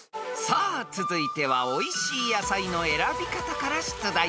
［さあ続いてはおいしい野菜の選び方から出題］